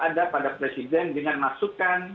ada pada presiden dengan masukan